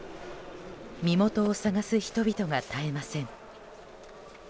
身元を探す人々が絶えません。